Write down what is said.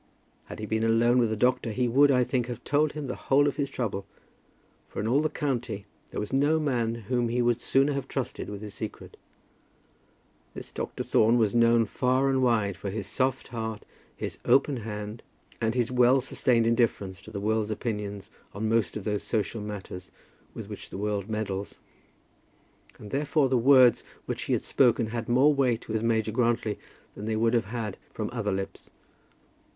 Had he been alone with the doctor, he would, I think, have told him the whole of his trouble; for in all the county there was no man whom he would sooner have trusted with his secret. This Dr. Thorne was known far and wide for his soft heart, his open hand, and his well sustained indifference to the world's opinions on most of those social matters with which the world meddles; and therefore the words which he had spoken had more weight with Major Grantly than they would have had from other lips.